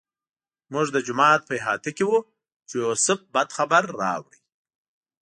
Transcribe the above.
موږ د جومات په احاطه کې وو چې یوسف بد خبر راوړ.